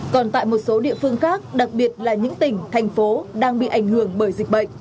còn tại một số địa phương khác đặc biệt là những tỉnh thành phố đang bị ảnh hưởng bởi dịch bệnh